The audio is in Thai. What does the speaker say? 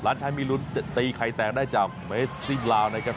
ล้านช้างมีรุ่นตีไข่แตกได้จากเมสิบลาวน์นะครับ